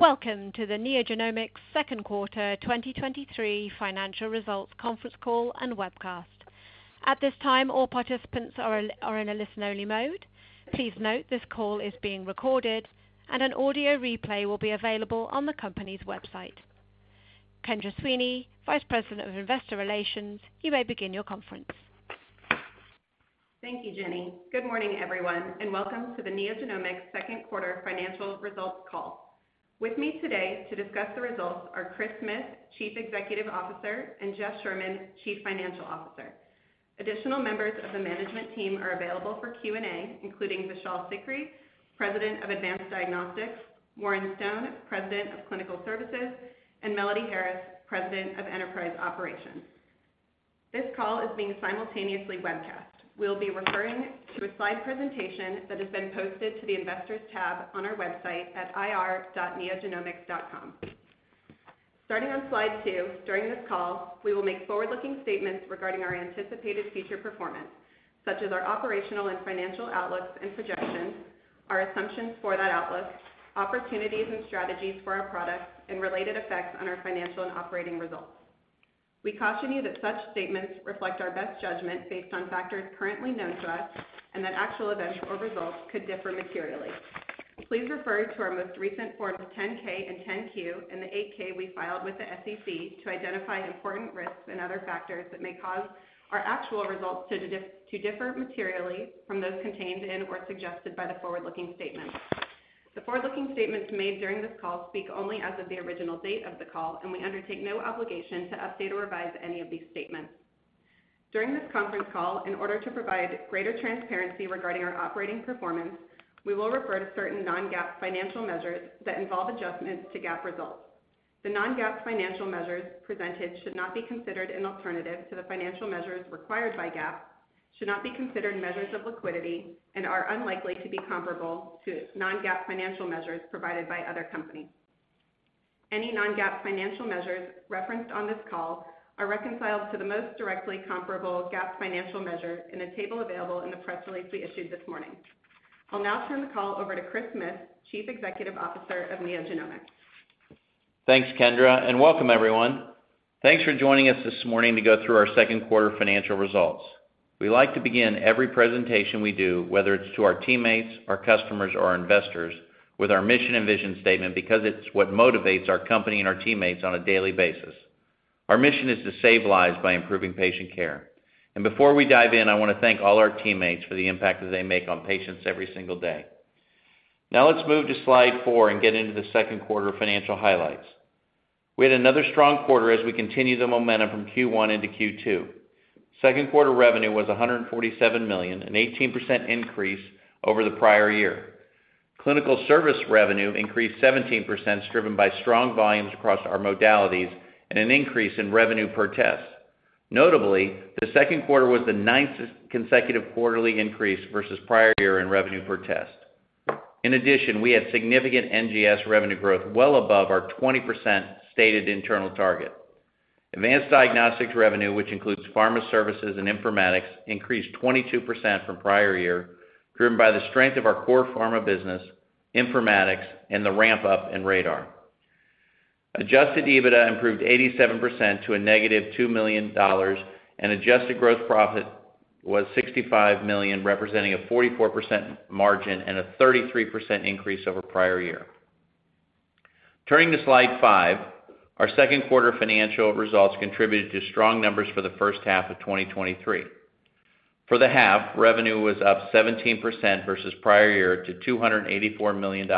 Welcome to the NeoGenomics Q2 2023 financial results conference call and webcast. At this time, all participants are in a listen-only mode. Please note, this call is being recorded, and an audio replay will be available on the company's website. Kendra Sweeney, Vice President of Investor Relations, you may begin your conference. Thank you, Jenny. Good morning, everyone, and welcome to the NeoGenomics Q2 financial results call. With me today to discuss the results are Chris Smith, Chief Executive Officer, and Jeff Sherman, Chief Financial Officer. Additional members of the management team are available for Q&A, including Vishal Sikri, President of Advanced Diagnostics, Warren Stone, President of Clinical Services, and Melody Harris, President of Enterprise Operations. This call is being simultaneously webcast. We'll be referring to a slide presentation that has been posted to the Investors tab on our website at ir.neogenomics.com. Starting on slide 2, during this call, we will make forward-looking statements regarding our anticipated future performance, such as our operational and financial outlooks and projections, our assumptions for that outlook, opportunities and strategies for our products, and related effects on our financial and operating results. We caution you that such statements reflect our best judgment based on factors currently known to us, and that actual events or results could differ materially. Please refer to our most recent forms, 10-K and 10-Q, and the 8-K we filed with the SEC to identify important risks and other factors that may cause our actual results to differ materially from those contained in or suggested by the forward-looking statements. The forward-looking statements made during this call speak only as of the original date of the call, and we undertake no obligation to update or revise any of these statements. During this conference call, in order to provide greater transparency regarding our operating performance, we will refer to certain non-GAAP financial measures that involve adjustments to GAAP results. The non-GAAP financial measures presented should not be considered an alternative to the financial measures required by GAAP, should not be considered measures of liquidity, and are unlikely to be comparable to non-GAAP financial measures provided by other companies. Any non-GAAP financial measures referenced on this call are reconciled to the most directly comparable GAAP financial measure in a table available in the press release we issued this morning. I'll now turn the call over to Chris Smith, Chief Executive Officer of NeoGenomics. Thanks, Kendra, and welcome everyone. Thanks for joining us this morning to go through our Q2 financial results. We like to begin every presentation we do, whether it's to our teammates, our customers, or our investors, with our mission and vision statement, because it's what motivates our company and our teammates on a daily basis. Our mission is to save lives by improving patient care. Before we dive in, I want to thank all our teammates for the impact that they make on patients every single day. Now, let's move to slide four and get into the Q2 financial highlights. We had another strong quarter as we continue the momentum from Q1 into Q2. Q2 revenue was $147 million, an 18% increase over the prior year. Clinical service revenue increased 17%, driven by strong volumes across our modalities and an increase in revenue per test. Notably, the Q2 was the 9th consecutive quarterly increase versus prior year in revenue per test. In addition, we had significant NGS revenue growth well above our 20% stated internal target. Advanced Diagnostics revenue, which includes pharma services and informatics, increased 22% from prior year, driven by the strength of our core pharma business, informatics, and the ramp-up in RaDaR. Adjusted EBITDA improved 87% to a negative $2 million, and adjusted growth profit was $65 million, representing a 44% margin and a 33% increase over prior year. Turning to slide 5, our Q2 financial results contributed to strong numbers for the first half of 2023. For the half, revenue was up 17% versus prior year to $284 million,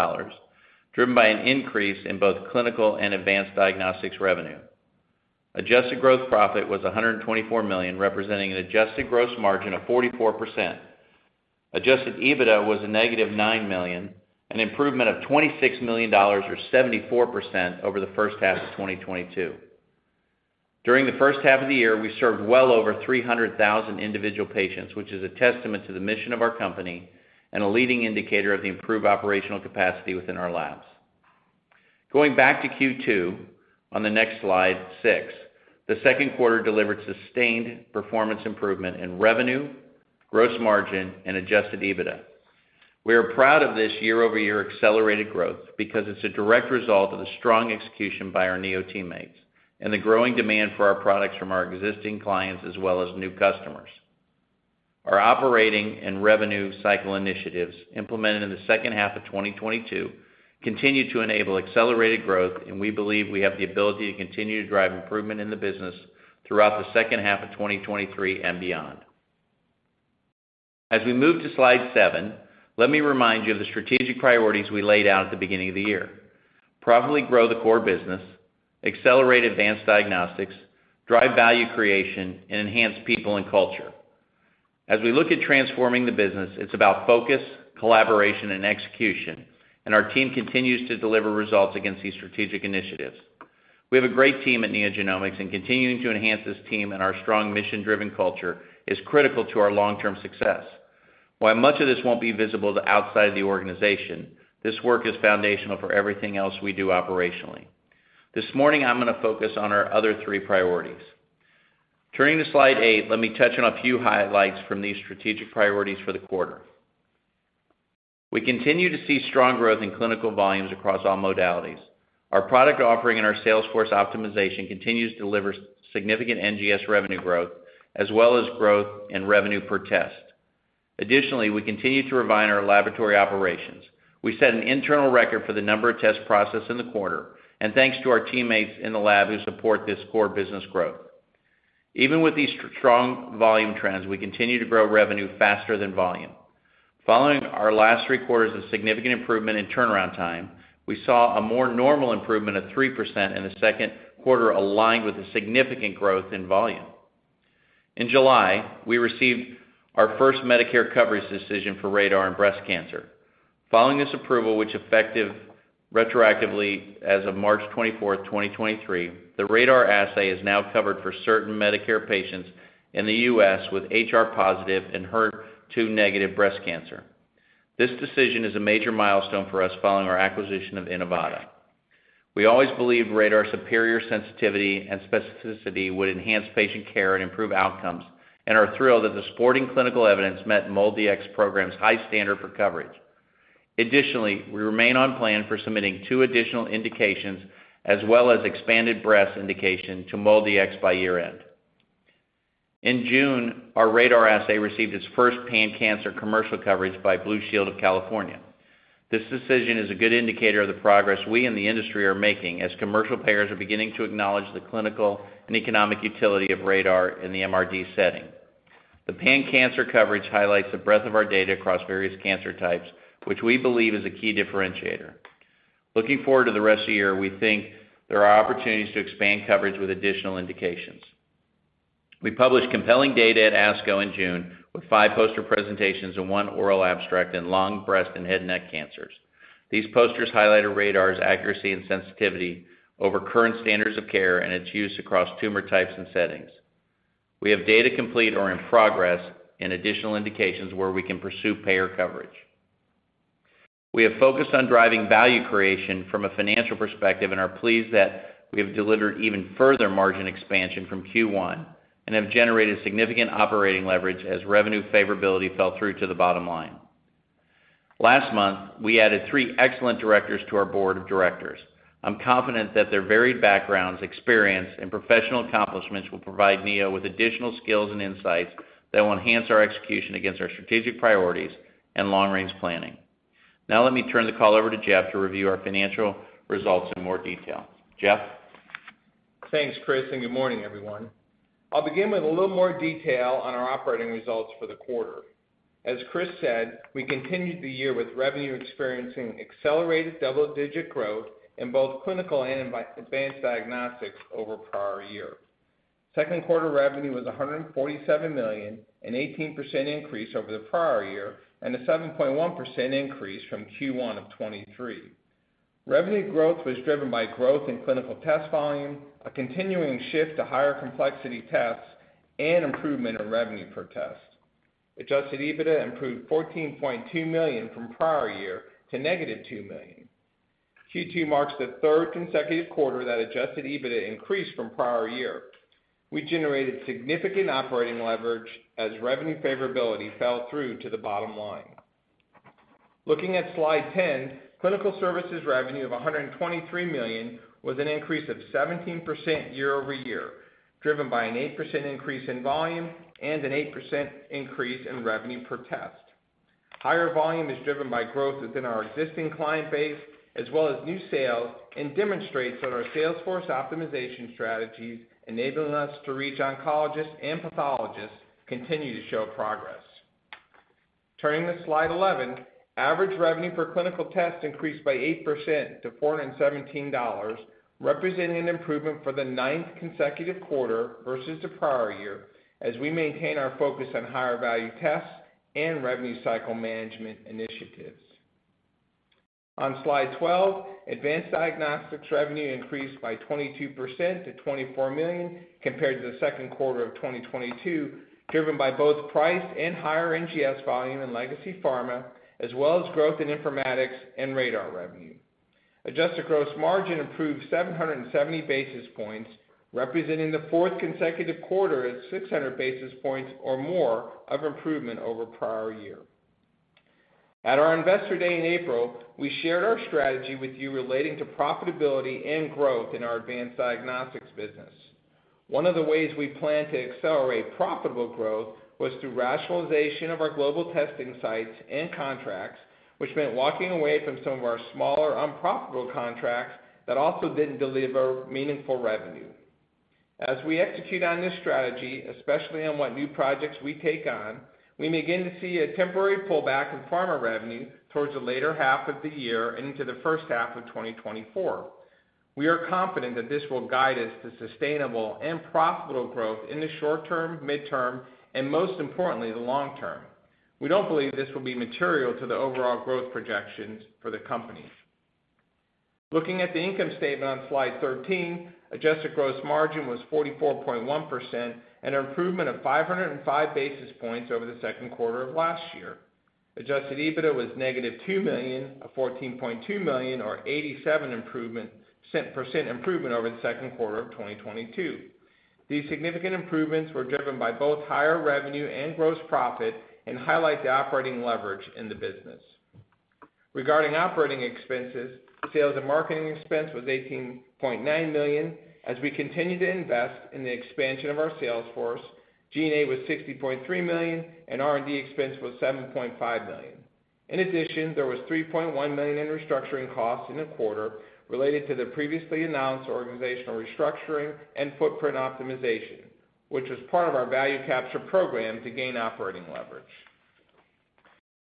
driven by an increase in both clinical and advanced diagnostics revenue. Adjusted gross profit was $124 million, representing an adjusted gross margin of 44%. Adjusted EBITDA was a negative $9 million, an improvement of $26 million or 74 over the first half of 2022. During the first half of the year, we served well over 300,000 individual patients, which is a testament to the mission of our company and a leading indicator of the improved operational capacity within our labs. Going back to Q2, on the next slide, six, the Q2 delivered sustained performance improvement in revenue, gross margin, and Adjusted EBITDA. We are proud of this year-over-year accelerated growth because it's a direct result of the strong execution by our Neo teammates and the growing demand for our products from our existing clients as well as new customers. Our operating and revenue cycle initiatives, implemented in the second half of 2022, continue to enable accelerated growth, and we believe we have the ability to continue to drive improvement in the business throughout the second half of 2023 and beyond. As we move to slide 7, let me remind you of the strategic priorities we laid out at the beginning of the year: profitably grow the core business, accelerate advanced diagnostics, drive value creation, and enhance people and culture. As we look at transforming the business, it's about focus, collaboration, and execution, and our team continues to deliver results against these strategic initiatives. We have a great team at NeoGenomics, continuing to enhance this team and our strong mission-driven culture is critical to our long-term success. While much of this won't be visible to outside the organization, this work is foundational for everything else we do operationally. This morning, I'm going to focus on our other three priorities. Turning to Slide 8, let me touch on a few highlights from these strategic priorities for the quarter. We continue to see strong growth in clinical volumes across all modalities. Our product offering and our sales force optimization continues to deliver significant NGS revenue growth, as well as growth in revenue per test. Additionally, we continue to refine our laboratory operations. We set an internal record for the number of tests processed in the quarter, and thanks to our teammates in the lab who support this core business growth. Even with these strong volume trends, we continue to grow revenue faster than volume. Following our last three quarters of significant improvement in turnaround time, we saw a more normal improvement of 3% in the Q2, aligned with a significant growth in volume. In July, we received our first Medicare coverage decision for RaDaR in breast cancer. Following this approval, which effective retroactively as of March 24, 2023, the RaDaR assay is now covered for certain Medicare patients in the U.S. with HR positive and HER2 negative breast cancer. This decision is a major milestone for us following our acquisition of Innovata. We always believed RaDaR's superior sensitivity and specificity would enhance patient care and improve outcomes, and are thrilled that the supporting clinical evidence met MoldDX program's high standard for coverage. Additionally, we remain on plan for submitting two additional indications as well as expanded breast indication to MoldDX by year-end. In June, our RaDaR assay received its first pan-cancer commercial coverage by Blue Shield of California. This decision is a good indicator of the progress we in the industry are making, as commercial payers are beginning to acknowledge the clinical and economic utility of RaDaR in the MRD setting. The pan-cancer coverage highlights the breadth of our data across various cancer types, which we believe is a key differentiator. Looking forward to the rest of the year, we think there are opportunities to expand coverage with additional indications. We published compelling data at ASCO in June, with five poster presentations and one oral abstract in lung, breast, and head neck cancers. These posters highlighted RaDaR's accuracy and sensitivity over current standards of care and its use across tumor types and settings. We have data complete or in progress in additional indications where we can pursue payer coverage. We have focused on driving value creation from a financial perspective, and are pleased that we have delivered even further margin expansion from Q1, and have generated significant operating leverage as revenue favorability fell through to the bottom line. Last month, we added three excellent directors to our board of directors. I'm confident that their varied backgrounds, experience, and professional accomplishments will provide Neo with additional skills and insights that will enhance our execution against our strategic priorities and long-range planning. Now let me turn the call over to Jeff to review our financial results in more detail. Jeff? Thanks, Chris, and good morning, everyone. I'll begin with a little more detail on our operating results for the quarter. As Chris said, we continued the year with revenue experiencing accelerated double-digit growth in both clinical and in Advanced Diagnostics over prior year. Q2 revenue was $147 million, an 18% increase over the prior year, and a 7.1% increase from Q1 of 2023. Revenue growth was driven by growth in clinical test volume, a continuing shift to higher complexity tests, and improvement in revenue per test. Adjusted EBITDA improved $14.2 million from prior year to negative $2 million. Q2 marks the third consecutive quarter that Adjusted EBITDA increased from prior year. We generated significant operating leverage as revenue favorability fell through to the bottom line. Looking at Slide 10, clinical services revenue of $123 million was an increase of 17% year-over-year, driven by an 8% increase in volume and an 8% increase in revenue per test. Higher volume is driven by growth within our existing client base, as well as new sales, and demonstrates that our sales force optimization strategies, enabling us to reach oncologists and pathologists, continue to show progress. Turning to Slide 11, average revenue per clinical test increased by 8% to $417, representing an improvement for the ninth consecutive quarter versus the prior year, as we maintain our focus on higher-value tests and revenue cycle management initiatives. On Slide 12, Advanced Diagnostics revenue increased by 22% to $24 million compared to the Q2 of 2022, driven by both price and higher NGS volume in legacy pharma, as well as growth in informatics and RaDaR revenue. Adjusted gross margin improved 770 basis points, representing the fourth consecutive quarter at 600 basis points or more of improvement over prior year. At our Investor Day in April, we shared our strategy with you relating to profitability and growth in our Advanced Diagnostics business. One of the ways we plan to accelerate profitable growth was through rationalization of our global testing sites and contracts, which meant walking away from some of our smaller, unprofitable contracts that also didn't deliver meaningful revenue. As we execute on this strategy, especially on what new projects we take on, we may begin to see a temporary pullback in pharma revenue towards the later half of the year and into the first half of 2024. We are confident that this will guide us to sustainable and profitable growth in the short term, midterm, and most importantly, the long term. We don't believe this will be material to the overall growth projections for the company. Looking at the income statement on Slide 13, adjusted gross margin was 44.1%, an improvement of 505 basis points over the Q2 of last year. Adjusted EBITDA was -$2 million of $14.2 million, or 87% improvement over the Q2 of 2022. These significant improvements were driven by both higher revenue and gross profit, highlight the operating leverage in the business. Regarding operating expenses, sales and marketing expense was $18.9 million, as we continue to invest in the expansion of our sales force. GA was $60.3 million, and R&D expense was $7.5 million. In addition, there was $3.1 million in restructuring costs in the quarter related to the previously announced organizational restructuring and footprint optimization, which was part of our value capture program to gain operating leverage.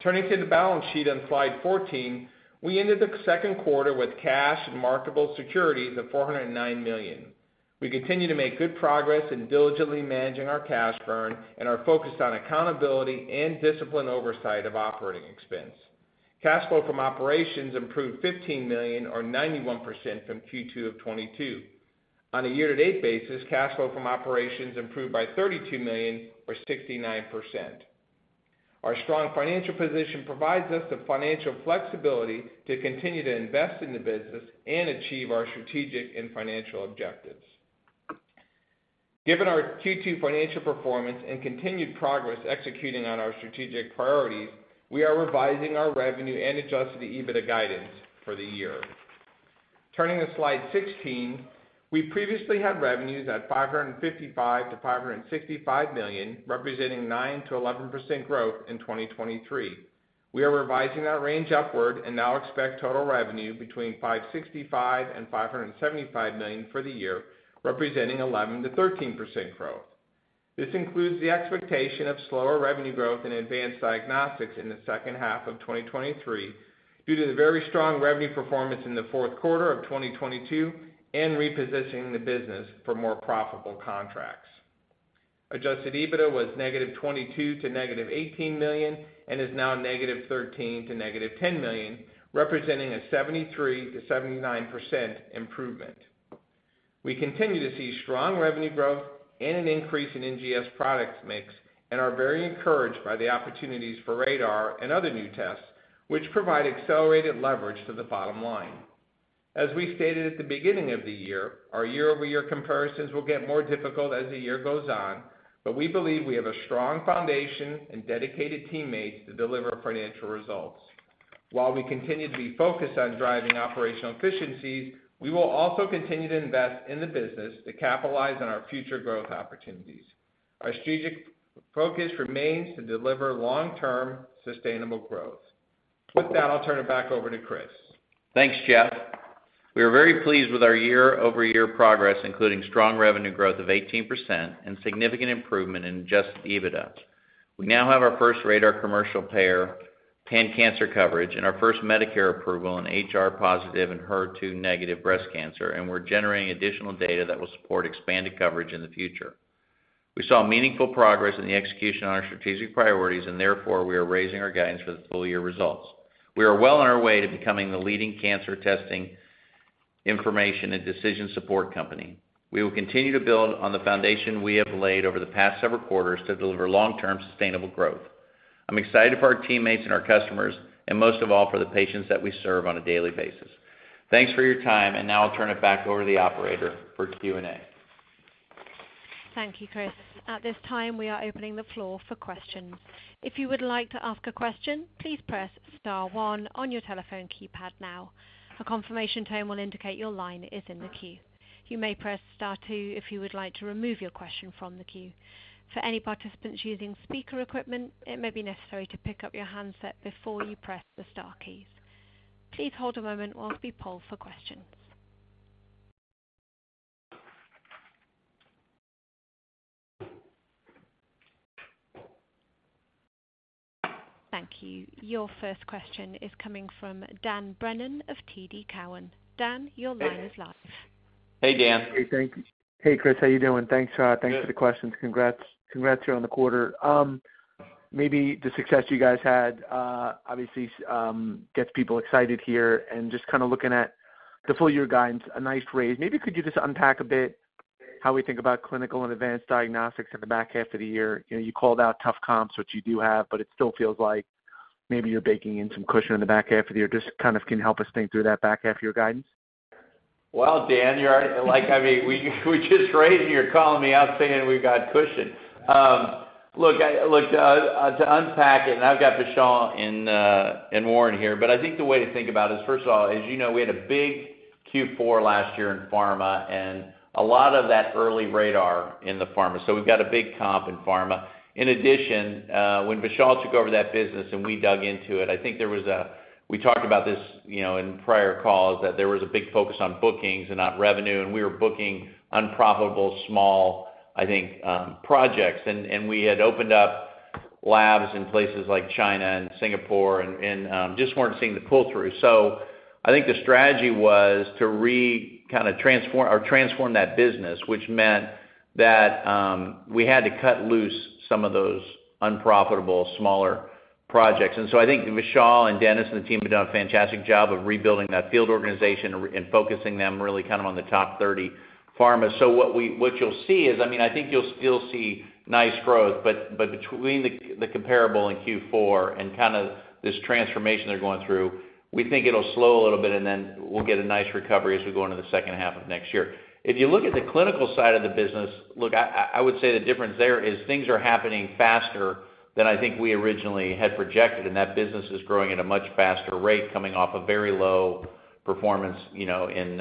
Turning to the balance sheet on slide 14, we ended the Q2 with cash and marketable securities of $409 million. We continue to make good progress in diligently managing our cash burn, and are focused on accountability and disciplined oversight of operating expense. Cash flow from operations improved $15 million, or 91% from Q2 of 2022. On a year-to-date basis, cash flow from operations improved by $32 million or 69%. Our strong financial position provides us the financial flexibility to continue to invest in the business and achieve our strategic and financial objectives. Given our Q2 financial performance and continued progress executing on our strategic priorities, we are revising our revenue and Adjusted EBITDA guidance for the year. Turning to slide 16, we previously had revenues at $555 million to 565 million, representing 9 to 11% growth in 2023. We are revising that range upward and now expect total revenue between $565 million and $575 million for the year, representing 11 to 13% growth. This includes the expectation of slower revenue growth in advanced diagnostics in the second half of 2023, due to the very strong revenue performance in the Q4 of 2022, and repositioning the business for more profitable contracts. Adjusted EBITDA was -$22 million to -$18 million, and is now -$13 million to -$10 million, representing a 73 to 79% improvement. We continue to see strong revenue growth and an increase in NGS products mix, and are very encouraged by the opportunities for RaDaR and other new tests, which provide accelerated leverage to the bottom line. As we stated at the beginning of the year, our year-over-year comparisons will get more difficult as the year goes on, but we believe we have a strong foundation and dedicated teammates to deliver financial results. While we continue to be focused on driving operational efficiencies, we will also continue to invest in the business to capitalize on our future growth opportunities. Our strategic focus remains to deliver long-term, sustainable growth. With that, I'll turn it back over to Chris. Thanks, Jeff. We are very pleased with our year-over-year progress, including strong revenue growth of 18% and significant improvement in Adjusted EBITDA. We now have our first RaDaR commercial payer, pan-cancer coverage, and our first Medicare approval in HR positive and HER2 negative breast cancer. We're generating additional data that will support expanded coverage in the future. We saw meaningful progress in the execution on our strategic priorities, and therefore, we are raising our guidance for the full year results. We are well on our way to becoming the leading cancer testing information and decision support company. We will continue to build on the foundation we have laid over the past several quarters to deliver long-term, sustainable growth. I'm excited for our teammates and our customers, and most of all, for the patients that we serve on a daily basis. Thanks for your time, and now I'll turn it back over to the operator for Q&A. Thank you, Chris. At this time, we are opening the floor for questions. If you would like to ask a question, please press star 1 on your telephone keypad now. A confirmation tone will indicate your line is in the queue. You may press star 2 if you would like to remove your question from the queue. For any participants using speaker equipment, it may be necessary to pick up your handset before you press the star keys. Please hold a moment whilst we poll for questions. Thank you. Your first question is coming from Dan Brennan of TD Cowen. Dan, your line is live. Hey, Dan. Hey, thank you. Hey, Chris, how you doing? Thanks. Good. Thanks for the questions. Congrats, congrats here on the quarter. maybe the success you guys had, obviously, gets people excited here. Just kind of looking at the full year guidance, a nice raise. Maybe could you just unpack a bit how we think about clinical and Advanced Diagnostics in the back half of the year? You know, you called out tough comps, which you do have, but it still feels like maybe you're baking in some cushion in the back half of the year. Just kind of can you help us think through that back half of your guidance? Well, Dan, you're like... I mean, we, we just raised, and you're calling me out, saying we've got cushion. Look, to unpack it, and I've got Vishal and Warren here, but I think the way to think about it is, first of all, as you know, we had a big Q4 last year in pharma, and a lot of that early RaDaR in the pharma. We've got a big comp in pharma. In addition, when Vishal took over that business and we dug into it, I think there was. We talked about this, you know, in prior calls, that there was a big focus on bookings and not revenue, and we were booking unprofitable, small, I think, projects. We had opened up labs in places like China and Singapore and, just weren't seeing the pull-through. I think the strategy was to kind of transform or transform that business, which meant that we had to cut loose some of those unprofitable smaller projects. I think Vishal and Dennis and the team have done a fantastic job of rebuilding that field organization and focusing them really kind of on the top 30 pharma. What you'll see is, I mean, I think you'll still see nice growth, but between the comparable in Q4 and kind of this transformation they're going through, we think it'll slow a little bit, and then we'll get a nice recovery as we go into the second half of next year. If you look at the clinical side of the business, look, I, I, I would say the difference there is things are happening faster than I think we originally had projected, and that business is growing at a much faster rate, coming off a very low performance, you know, in,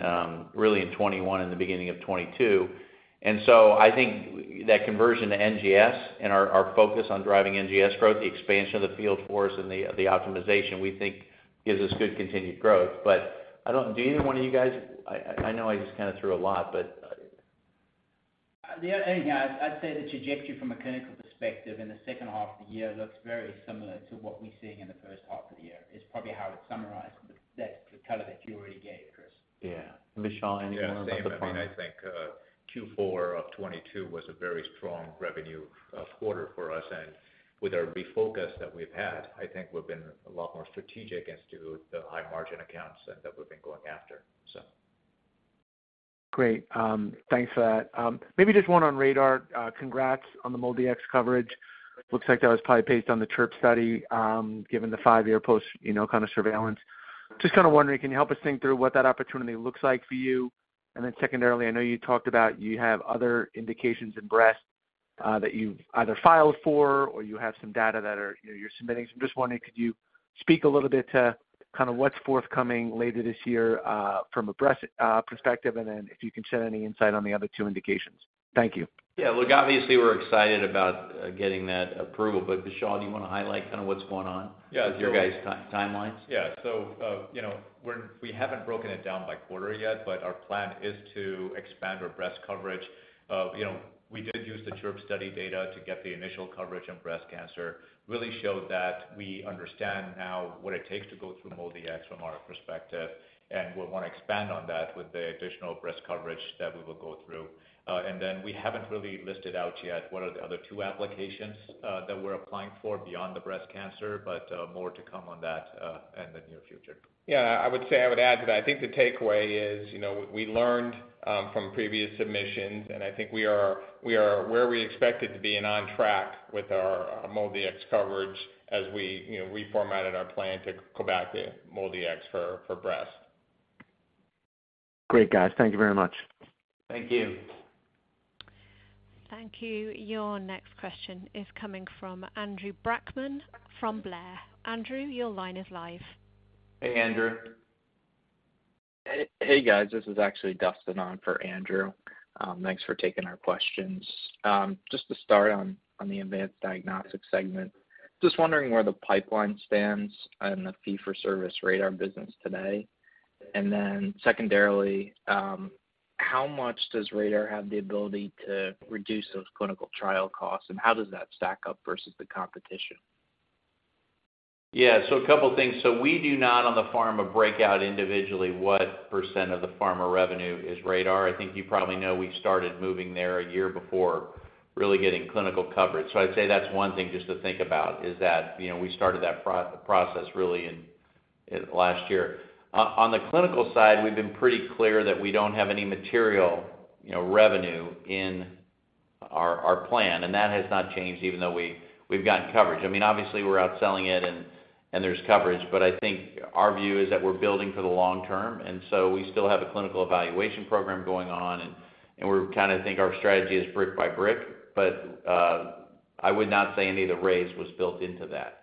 really in 2021, in the beginning of 2022. So I think that conversion to NGS and our, our focus on driving NGS growth, the expansion of the field force and the, the optimization, we think gives us good continued growth. I don't-- do either one of you guys? I, I, I know I just kind of threw a lot, but, Yeah, I'd say the trajectory from a clinical perspective in the second half of the year looks very similar to what we're seeing in the first half of the year. It's probably how it summarized that, the color that you already gave, Chris. Yeah. Vishal, anything you want to add to that? Yeah, same. I mean, I think, Q4 of 2022 was a very strong revenue quarter for us. With our refocus that we've had, I think we've been a lot more strategic as to the high-margin accounts that, that we've been going after. Great. Thanks for that. Maybe just one on RaDaR. Congrats on the MultiX coverage. Looks like that was probably based on the CHIRP study, given the 5-year post, you know, kind of surveillance. Just kind of wondering, can you help us think through what that opportunity looks like for you? Then secondarily, I know you talked about you have other indications in breast that you've either filed for or you have some data that are, you know, you're submitting. I'm just wondering, could you speak a little bit to kind of what's forthcoming later this year from a breast perspective, and then if you can share any insight on the other two indications? Thank you. Look, obviously, we're excited about getting that approval, but, Vishal, do you want to highlight kind of what's going on...? Yeah, sure. with your guys' timelines? Yeah. You know, we haven't broken it down by quarter yet, but our plan is to expand our breast coverage. You know, we did use the CHIRP study data to get the initial coverage, and breast cancer really showed that we understand now what it takes to go through MultiX from our perspective, and we'll want to expand on that with the additional breast coverage that we will go through. Then we haven't really listed out yet what are the other two applications that we're applying for beyond the breast cancer, but more to come on that in the near future. Yeah, I would say, I would add to that. I think the takeaway is, you know, we learned from previous submissions, and I think we are, we are where we expected to be and on track with our MultiX coverage as we, you know, reformatted our plan to go back to MultiX for, for breast. Great, guys. Thank you very much. Thank you. Thank you. Your next question is coming from Andrew Brackman from Blair. Andrew, your line is live. Hey, Andrew. Hey, guys, this is actually Dustin on for Andrew. Thanks for taking our questions. Just to start on, on the Advanced Diagnostics segment, just wondering where the pipeline stands on the fee-for-service RaDaR business today. Then secondarily, how much does RaDaR have the ability to reduce those clinical trial costs, and how does that stack up versus the competition? Yeah, a couple things. We do not, on the pharma, break out individually what percent of the pharma revenue is RaDaR. I think you probably know we started moving there a year before really getting clinical coverage. I'd say that's one thing just to think about, is that, you know, we started that process really in, in last year. On the clinical side, we've been pretty clear that we don't have any material, you know, revenue in our, our plan, and that has not changed even though we, we've gotten coverage. I mean, obviously, we're out selling it and there's coverage, but I think our view is that we're building for the long term, we still have a clinical evaluation program going on, and we kind of think our strategy is brick by brick. I would not say any of the raise was built into that.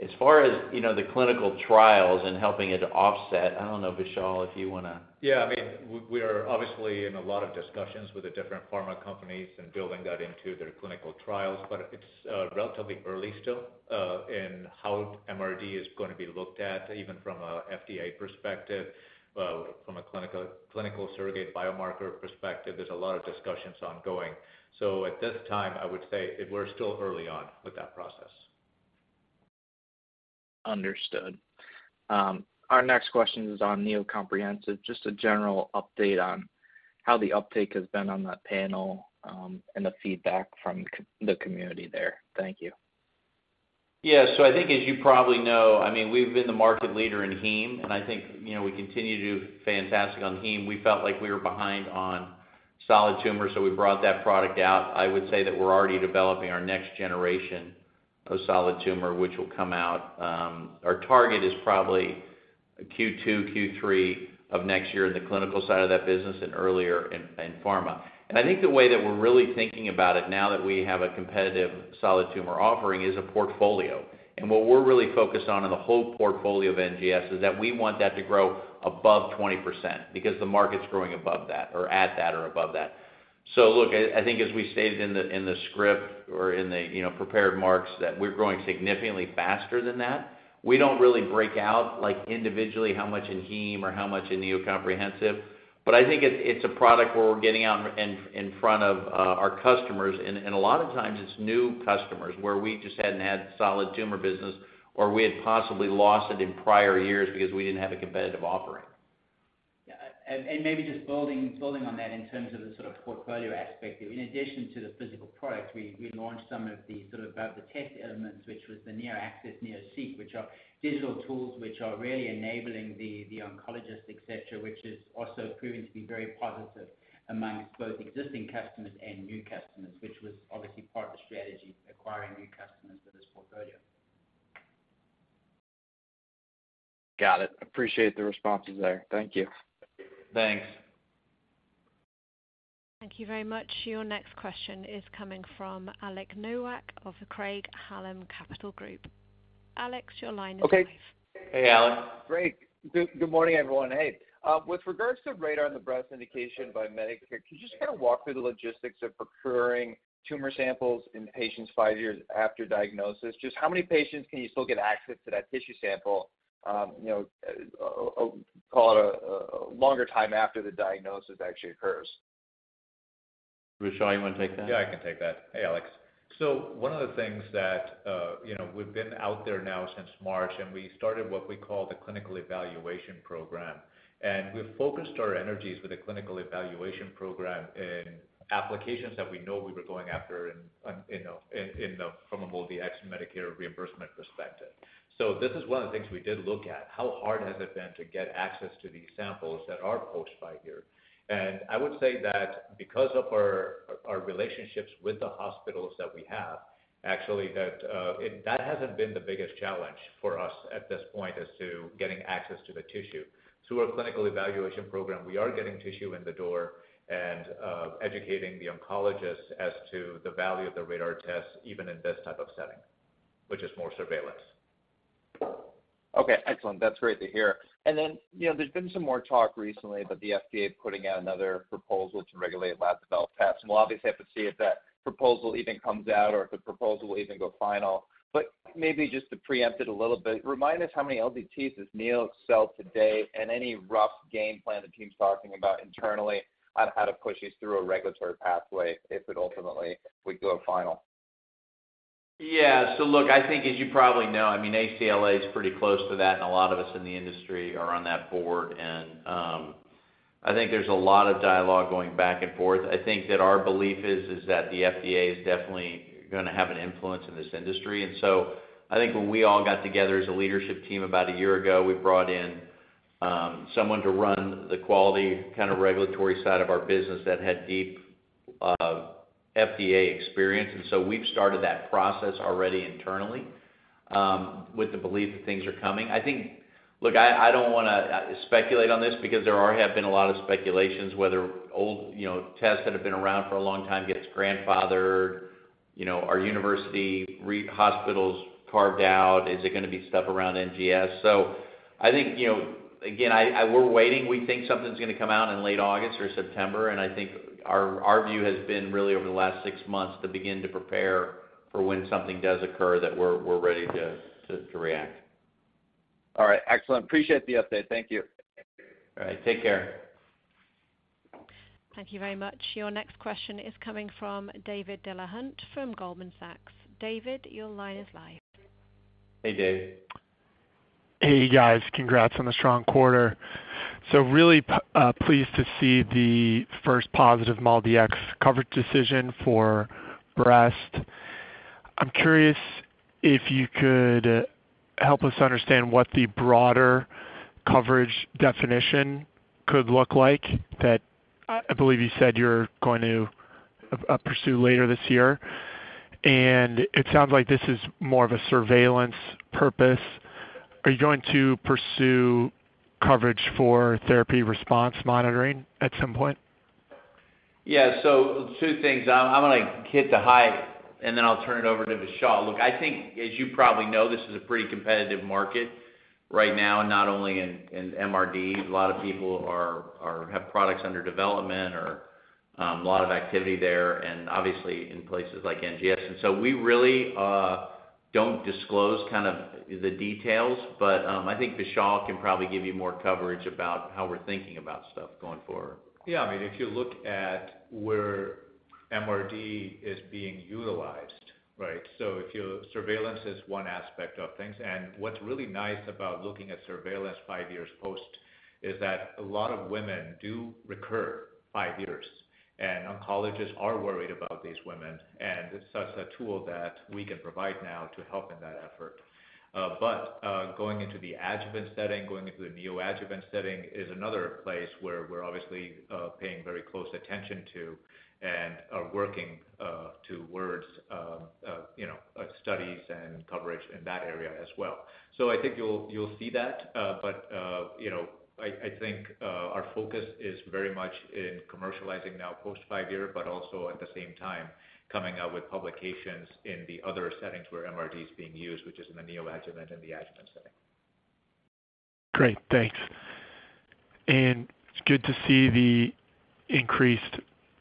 As far as, you know, the clinical trials and helping it to offset, I don't know, Vishal, if you wanna... Yeah, I mean, we, we are obviously in a lot of discussions with the different pharma companies and building that into their clinical trials, but it's relatively early still, in how MRD is going to be looked at, even from a FDA perspective, from a clinical, clinical surrogate biomarker perspective. There's a lot of discussions ongoing. At this time, I would say that we're still early on with that process. Understood. Our next question is on NeoComprehensive. Just a general update on how the uptake has been on that panel, and the feedback from the community there. Thank you. Yeah. I think as you probably know, I mean, we've been the market leader in heme, and I think, you know, we continue to do fantastic on heme. We felt like we were behind on solid tumor, so we brought that product out. I would say that we're already developing our next generation of solid tumor, which will come out. Our target is probably Q2, Q3 of next year in the clinical side of that business and earlier in, in pharma. I think the way that we're really thinking about it, now that we have a competitive solid tumor offering, is a portfolio. What we're really focused on in the whole portfolio of NGS is that we want that to grow above 20% because the market's growing above that, or at that, or above that. Look, I, I think as we stated in the, in the script or in the, you know, prepared marks, that we're growing significantly faster than that. We don't really break out, like, individually how much in heme or how much in NeoComprehensive. I think it, it's a product where we're getting out in, in front of our customers, and, and a lot of times it's new customers where we just hadn't had solid tumor business, or we had possibly lost it in prior years because we didn't have a competitive offering. Yeah. And maybe just building, building on that in terms of the sort of portfolio aspect. In addition to the physical product, we, we launched some of the sort of about the test elements, which was the NeoAccess, NeoSeq, which are digital tools which are really enabling the, the oncologist, et cetera, which is also proving to be very positive amongst both existing customers and new customers, which was obviously part of the strategy, acquiring new customers for this portfolio. Got it. Appreciate the responses there. Thank you. Thanks. Thank you very much. Your next question is coming from Alec Nowak of the Craig-Hallum Capital Group. Alex, your line is open. Okay. Hey, Alan. Great. Good, good morning, everyone. Hey, with regards to RaDaR and the breast indication by Medicare, can you just kind of walk through the logistics of procuring tumor samples in patients five years after diagnosis? Just how many patients can you still get access to that tissue sample, you know, call it a, a longer time after the diagnosis actually occurs? Vishal, you want to take that? Yeah, I can take that. Hey, Alex. One of the things that, you know, we've been out there now since March, and we started what we call the clinical evaluation program. We've focused our energies with the clinical evaluation program in applications that we know we were going after in, you know, in, in the, from a MolDX Medicare reimbursement perspective. This is one of the things we did look at: how hard has it been to get access to these samples that are post 5 year? I would say that because of our, our relationships with the hospitals that we have, actually, that hasn't been the biggest challenge for us at this point, as to getting access to the tissue. Through our clinical evaluation program, we are getting tissue in the door and educating the oncologists as to the value of the RaDaR test, even in this type of setting, which is more surveillance. Okay, excellent. That's great to hear. You know, there's been some more talk recently about the FDA putting out another proposal to regulate lab developed tests. We'll obviously have to see if that proposal even comes out or if the proposal will even go final. Maybe just to preempt it a little bit, remind us how many LDTs does Neo sell today, and any rough game plan the team's talking about internally on how to push these through a regulatory pathway if it ultimately would go final. Yeah. Look, I think as you probably know, I mean, ACLA is pretty close to that, and a lot of us in the industry are on that board. I think there's a lot of dialogue going back and forth. I think that our belief is, is that the FDA is definitely gonna have an influence in this industry. I think when we all got together as a leadership team about a year ago, we brought in, someone to run the quality, kind of, regulatory side of our business that had deep, FDA experience. We've started that process already internally, with the belief that things are coming. I think... Look, I don't want to speculate on this because there are, have been a lot of speculations, whether old, you know, tests that have been around for a long time gets grandfathered, you know, are university hospitals carved out? Is it gonna be stuff around NGS? I think, you know, again, we're waiting. We think something's gonna come out in late August or September, and I think our, our view has been really over the last six months, to begin to prepare for when something does occur, that we're, we're ready to, to, to react. All right. Excellent. Appreciate the update. Thank you. All right. Take care. Thank you very much. Your next question is coming from David Delahunt from Goldman Sachs. David, your line is live. Hey, Dave. Hey, guys. Congrats on the strong quarter. Really pleased to see the first positive MolDX coverage decision for breast. I'm curious if you could help us understand what the broader coverage definition could look like, that I, I believe you said you're going to pursue later this year. It sounds like this is more of a surveillance purpose. Are you going to pursue coverage for therapy response monitoring at some point? Yeah. Two things. I'm, I'm gonna hit the high, then I'll turn it over to Vishal. Look, I think, as you probably know, this is a pretty competitive market right now, not only in, in MRD. A lot of people are, are- have products under development or a lot of activity there, obviously in places like NGS. We really don't disclose kind of the details, but I think Vishal can probably give you more coverage about how we're thinking about stuff going forward. Yeah, I mean, if you look at where MRD is being utilized, right? Surveillance is one aspect of things, and what's really nice about looking at surveillance five years post, is that a lot of women do recur five years, and oncologists are worried about these women, and this is such a tool that we can provide now to help in that effort. Going into the adjuvant setting, going into the neoadjuvant setting, is another place where we're obviously paying very close attention to and are working towards, you know, studies and coverage in that area as well. I think you'll, you'll see that, but, you know, I, I think, our focus is very much in commercializing now post five-year, but also at the same time, coming out with publications in the other settings where MRD is being used, which is in the neoadjuvant and the adjuvant setting. Great, thanks. It's good to see increased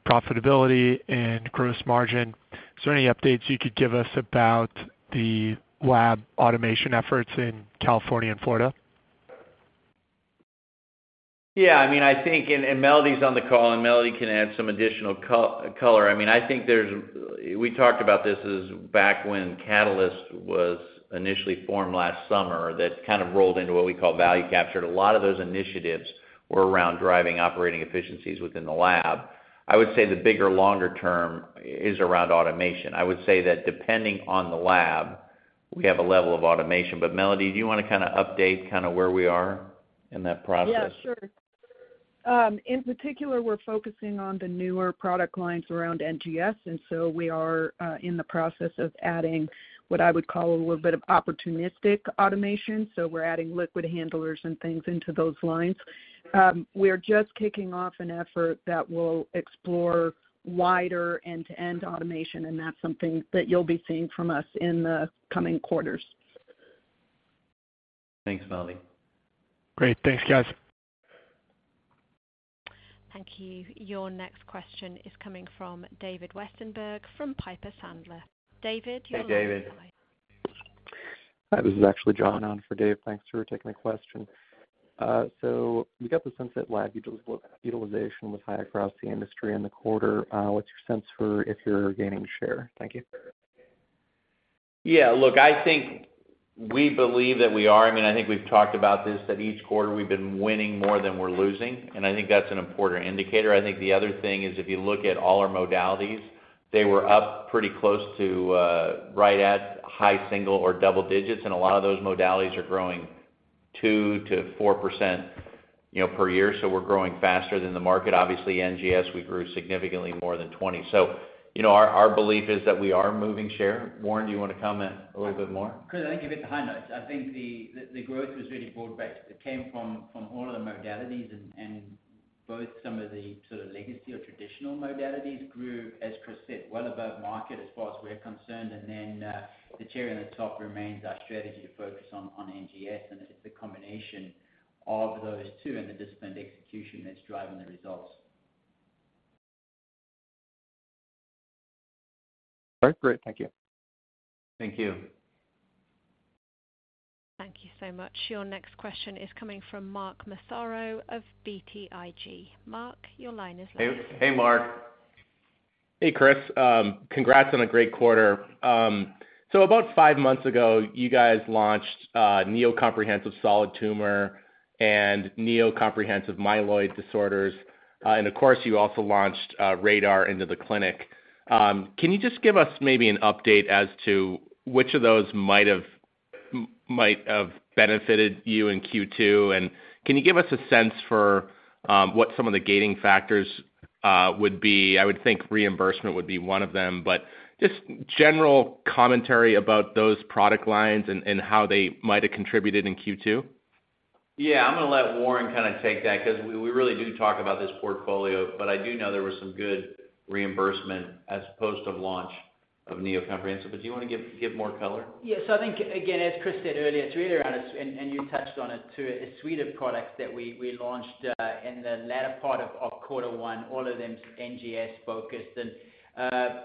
profitability and gross margin. Is there any updates you could give us about the lab automation efforts in California and Florida? Yeah, I mean, I think, Melody's on the call, and Melody can add some additional color. I mean, I think there's, we talked about this as back when Catalyst was initially formed last summer, that kind of rolled into what we call value captured. A lot of those initiatives were around driving operating efficiencies within the lab. I would say the bigger, longer term is around automation. I would say that depending on the lab, we have a level of automation. Melody, do you want to kind of update kind of where we are in that process? Yeah, sure. In particular, we're focusing on the newer product lines around NGS, and so we are in the process of adding what I would call a little bit of opportunistic automation, so we're adding liquid handlers and things into those lines. We are just kicking off an effort that will explore wider end-to-end automation, and that's something that you'll be seeing from us in the coming quarters. Thanks, Melody. Great. Thanks, guys. Thank you. Your next question is coming from David Westenberg from Piper Sandler. David, your line is open. Hey, David. Hi, this is actually John on for Dave. Thanks for taking my question. We got the sense that lab utilization was high across the industry in the quarter. What's your sense for if you're gaining share? Thank you. Look, I think we believe that we are. I mean, I think we've talked about this, that each quarter we've been winning more than we're losing. I think that's an important indicator. I think the other thing is, if you look at all our modalities, they were up pretty close to right at high single or double digits. A lot of those modalities are growing 2 to 4%, you know, per year. We're growing faster than the market. Obviously, NGS, we grew significantly more than 20. You know, our, our belief is that we are moving share. Warren, do you want to comment a little bit more? Chris, I think you hit the high notes. I think the growth was really broad-based. It came from, from all of the modalities and, and both some of the sort of legacy or traditional modalities grew, as Chris said, well above market as far as we're concerned. Then, the cherry on the top remains our strategy to focus on, on NGS. It's the combination of those two and the disciplined execution that's driving the results. All right, great. Thank you. Thank you. Thank you so much. Your next question is coming from Mark Massaro of BTIG. Mark, your line is open. Hey, Mark. Hey, Chris. Congrats on a great quarter. About five months ago, you guys launched Neo comprehensive solid tumor and Neo comprehensive myeloid disorders. Of course, you also launched RaDaR into the clinic. Can you just give us maybe an update as to which of those might have benefited you in Q2? Can you give us a sense for what some of the gating factors would be? I would think reimbursement would be one of them, but just general commentary about those product lines and how they might have contributed in Q2. Yeah, I'm going to let Warren kind of take that because we, we really do talk about this portfolio, but I do know there was some good reimbursement as opposed to launch of Neo Comprehensive. Do you want to give, give more color? Yes. I think, again, as Chris said earlier, it's really around it, and you touched on it, too, a suite of products that we launched in the latter part of quarter one, all of them NGS focused.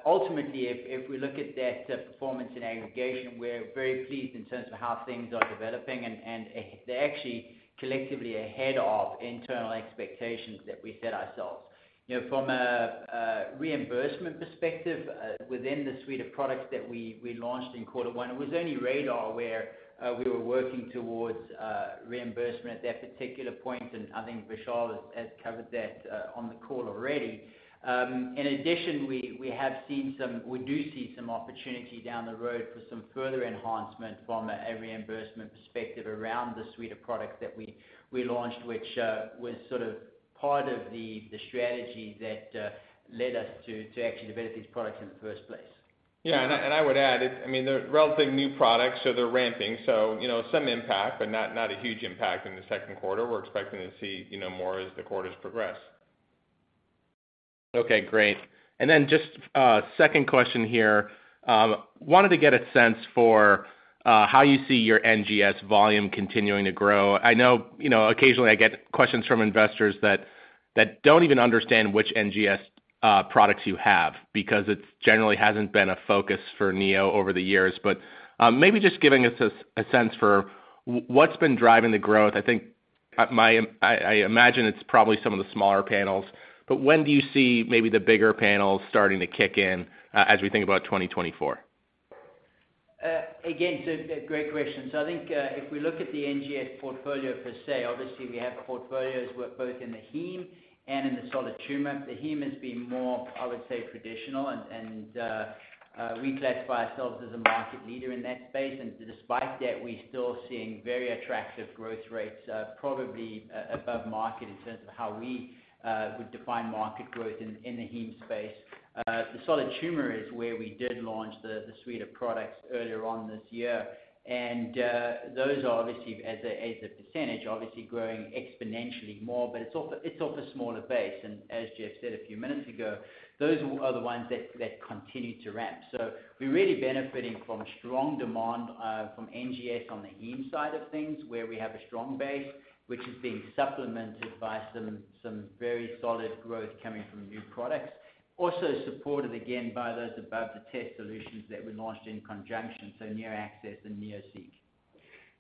Ultimately, if we look at that performance in aggregation, we're very pleased in terms of how things are developing, and they're actually collectively ahead of internal expectations that we set ourselves. You know, from a reimbursement perspective, within the suite of products that we launched in quarter one, it was only RaDaR where we were working towards reimbursement at that particular point, and I think Vishal has covered that on the call already. In addition, we have seen some... We do see some opportunity down the road for some further enhancement from a reimbursement perspective around the suite of products that we launched, which was sort of part of the, the strategy that led us to actually develop these products in the first place. Yeah, and I, and I would add, it's, I mean, they're relatively new products, so they're ramping. You know, some impact, but not, not a huge impact in the Q2. We're expecting to see, you know, more as the quarters progress. Okay, great. Then just, second question here. Wanted to get a sense for how you see your NGS volume continuing to grow. I know, you know, occasionally I get questions from investors that, that don't even understand which NGS products you have, because it's generally hasn't been a focus for Neo over the years. Maybe just giving us a sense for what's been driving the growth. I think, I, I imagine it's probably some of the smaller panels, but when do you see maybe the bigger panels starting to kick in as we think about 2024? Again, a great question. I think, if we look at the NGS portfolio per se, obviously we have portfolios both in the heme and in the solid tumor. The heme has been more, I would say, traditional, and we classify ourselves as a market leader in that space, and despite that, we're still seeing very attractive growth rates, probably above market in terms of how we would define market growth in the heme space. The solid tumor is where we did launch the suite of products earlier on this year. Those are obviously, as a percentage, obviously growing exponentially more, but it's off, it's off a smaller base. As Jeff said a few minutes ago, those are the ones that continue to ramp. We're really benefiting from strong demand, from NGS on the heme side of things, where we have a strong base.... which is being supplemented by some, some very solid growth coming from new products. Also supported again by those above the test solutions that we launched in conjunction, so Neo Access and NeoSeq.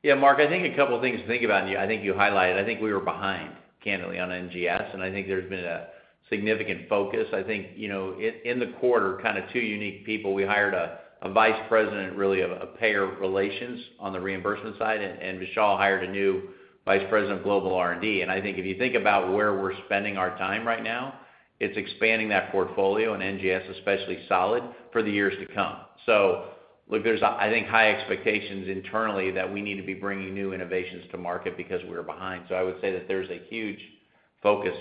Yeah, Mark, I think a couple of things to think about, and I think you highlighted. I think we were behind, candidly, on NGS, and I think there's been a significant focus. I think, you know, in the quarter, kind of two unique people. We hired a Vice President, really, of a payer relations on the reimbursement side, and Vishal hired a new Vice President of global R&D. I think if you think about where we're spending our time right now, it's expanding that portfolio, and NGS, especially solid for the years to come. Look, there's, I think, high expectations internally that we need to be bringing new innovations to market because we're behind. I would say that there's a huge focus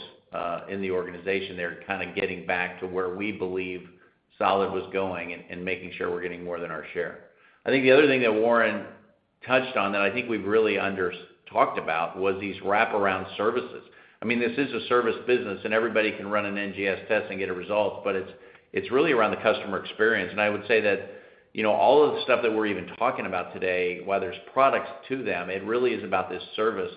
in the organization there, kind of getting back to where we believe solid was going and, and making sure we're getting more than our share. I think the other thing that Warren touched on, that I think we've really talked about, was these wraparound services. I mean, this is a service business, and everybody can run an NGS test and get a result, but it's, it's really around the customer experience. I would say that, you know, all of the stuff that we're even talking about today, while there's products to them, it really is about this service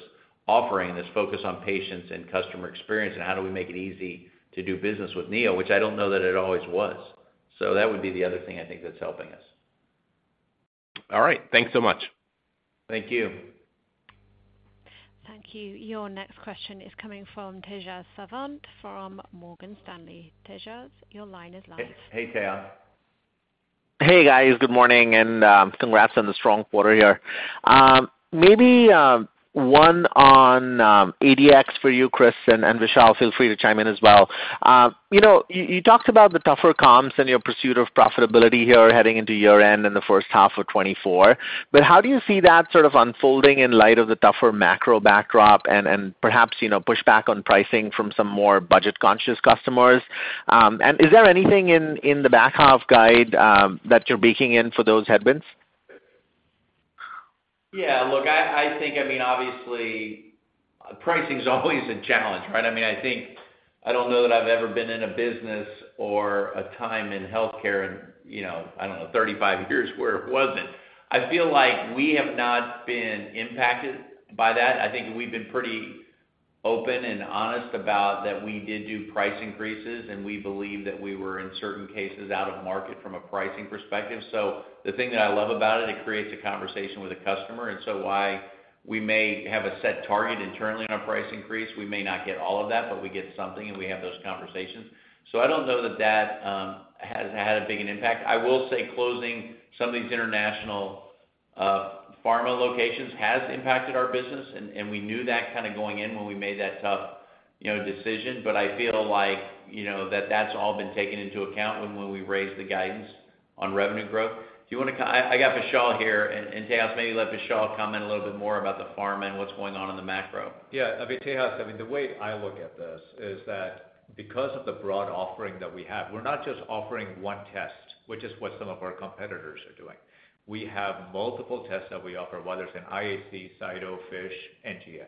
offering, this focus on patients and customer experience, and how do we make it easy to do business with NeoGenomics, which I don't know that it always was. That would be the other thing I think that's helping us. All right, thanks so much. Thank you. Thank you. Your next question is coming from Tejas Sawant, from Morgan Stanley. Tejas, your line is live. Hey, Tejas. Hey, guys. Good morning, and congrats on the strong quarter here. Maybe one on ADX for you, Chris, and Vishal, feel free to chime in as well. You know, you talked about the tougher comps and your pursuit of profitability here heading into year-end in the first half of 2024. How do you see that sort of unfolding in light of the tougher macro backdrop and perhaps, you know, pushback on pricing from some more budget-conscious customers? Is there anything in the back half guide that you're baking in for those headwinds? Yeah, look, I, I think, I mean, obviously, pricing is always a challenge, right? I mean, I think... I don't know that I've ever been in a business or a time in healthcare in, you know, I don't know, 35 years, where it wasn't. I feel like we have not been impacted by that. I think we've been pretty open and honest about that we did do price increases, and we believe that we were, in certain cases, out of market from a pricing perspective. The thing that I love about it, it creates a conversation with the customer, and so why we may have a set target internally on our price increase, we may not get all of that, but we get something, and we have those conversations. I don't know that that has had a big an impact. I will say closing some of these international, pharma locations has impacted our business, and we knew that kind of going in when we made that tough, you know, decision. I feel like, you know, that that's all been taken into account when, when we raised the guidance on revenue growth. I got Vishal here, and Tejas, maybe let Vishal comment a little bit more about the pharma and what's going on in the macro. Yeah, I mean, Tejas, I mean, the way I look at this is that because of the broad offering that we have, we're not just offering one test, which is what some of our competitors are doing. We have multiple tests that we offer, whether it's an IHC, Cyto, FISH, NGS.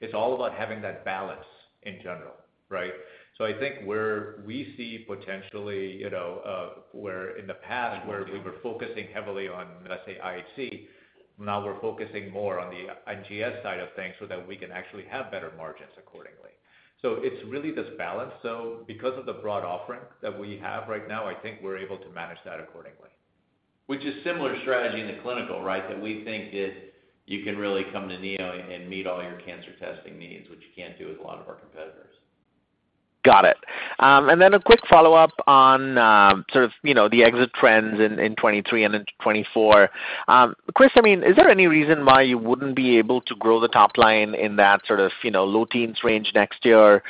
It's all about having that balance in general, right? I think where we see potentially, you know, where in the past, where we were focusing heavily on, let's say, IHC, now we're focusing more on the NGS side of things so that we can actually have better margins accordingly. It's really this balance, though, because of the broad offering that we have right now, I think we're able to manage that accordingly. Which is similar strategy in the clinical, right? That we think that you can really come to Neo and meet all your cancer testing needs, which you can't do with a lot of our competitors. Got it. Then a quick follow-up on, sort of, you know, the exit trends in 2023 and into 2024. Chris, I mean, is there any reason why you wouldn't be able to grow the top line in that sort of, you know, low teens range next year?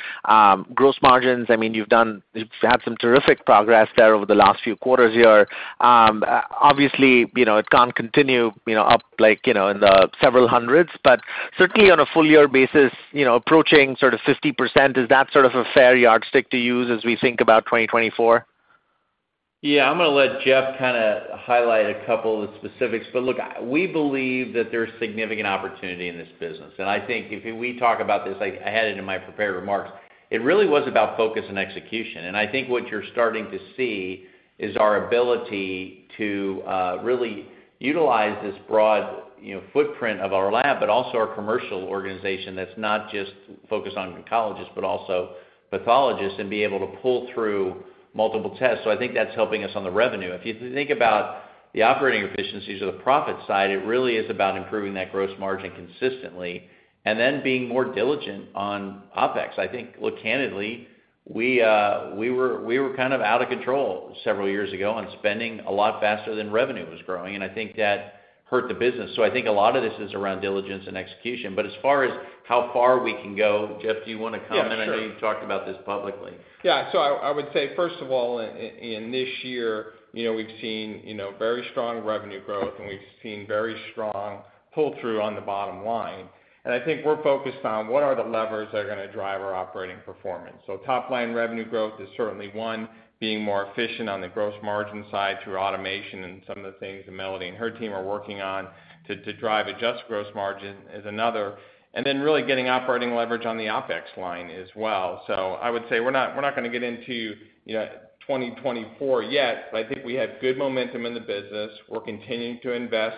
Gross margins, I mean, you've had some terrific progress there over the last few quarters here. Obviously, you know, it can't continue, you know, up like, you know, in the several hundreds, but certainly on a full year basis, you know, approaching sort of 50%, is that sort of a fair yardstick to use as we think about 2024? Yeah. I'm going to let Jeff kind of highlight a couple of the specifics, but look, we believe that there's significant opportunity in this business, and I think if we talk about this, I, I had it in my prepared remarks, it really was about focus and execution. I think what you're starting to see is our ability to really utilize this broad, you know, footprint of our lab, but also our commercial organization that's not just focused on oncologists, but also pathologists, and be able to pull through multiple tests. I think that's helping us on the revenue. If you think about the operating efficiencies of the profit side, it really is about improving that gross margin consistently and then being more diligent on OpEx. I think, look, candidly, we, we were, we were kind of out of control several years ago on spending a lot faster than revenue was growing, and I think that hurt the business. I think a lot of this is around diligence and execution, but as far as how far we can go, Jeff, do you want to comment? Yeah, sure. I know you've talked about this publicly. Yeah. I would say, first of all, in this year, you know, we've seen, you know, very strong revenue growth, and we've seen very strong pull-through on the bottom line. I think we're focused on what are the levers that are going to drive our operating performance. Top-line revenue growth is certainly one, being more efficient on the gross margin side through automation and some of the things that Melody and her team are working on to drive adjusted gross margin is another, and then really getting operating leverage on the OpEx line as well. I would say we're not, we're not going to get into, you know, 2024 yet, but I think we have good momentum in the business. We're continuing to invest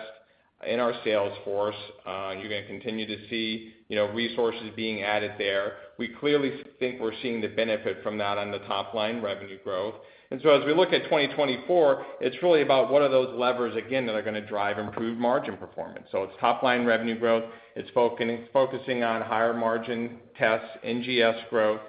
in our sales force, you're gonna continue to see, you know, resources being added there. We clearly think we're seeing the benefit from that on the top line, revenue growth. As we look at 2024, it's really about what are those levers again, that are gonna drive improved margin performance. It's top line revenue growth, it's focusing on higher margin tests, NGS growth,